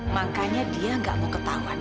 makanya dia gak mau ketahuan